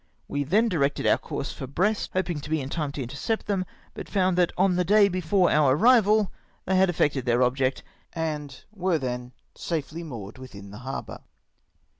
We then du^ected our course for Brest, hoping to be in time to intercept them, but found that on the day before om" arrival they had effected their object, and were then safely moored within the harbour.